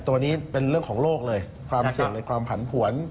ตัวนี้เป็นเรื่องของโลกเลยความเสี่ยงเลยความผันผวน